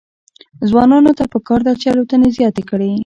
ځوانانو ته پکار ده چې، الوتنې زیاتې کړي.